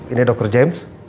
ini dokter james